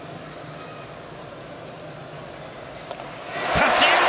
三振！